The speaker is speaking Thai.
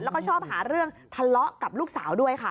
แล้วก็ชอบหาเรื่องทะเลาะกับลูกสาวด้วยค่ะ